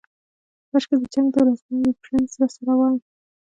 کاشکې د جنګ د ورځپاڼې ریفرنس راسره وای.